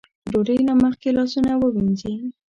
ډوډۍ نه مخکې لاسونه ووينځئ ـ